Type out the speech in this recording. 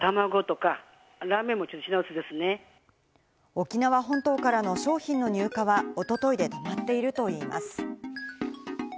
沖縄本島からの商品の入荷はおとといで止まっているといいます。